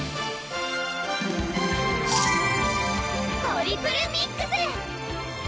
トリプルミックス！